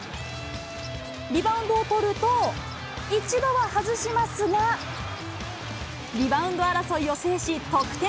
リバウンドをとると、一度は外しますが、リバウンド争いを制し、得点。